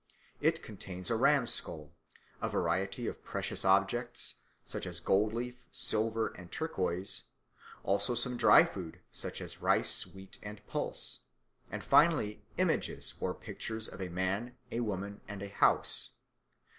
It contains a ram's skull, a variety of precious objects such as gold leaf, silver, and turquoise, also some dry food, such as rice, wheat, and pulse, and finally images or pictures of a man, a woman, and a house.